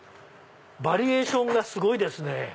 バリエーションがすごいですね。